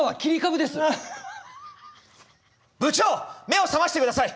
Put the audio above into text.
目を覚ましてください！